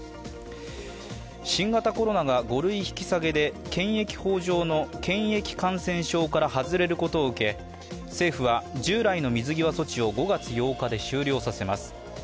新型コロナが５類引き下げで検疫法上の検疫感染症から外れることを受け政府は、従来の水際措置を５月８日で終了させます。